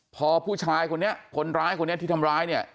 พอผู้ชายคนนี้คนร้ายคนนี้ที่ทำร้ายเนี่ย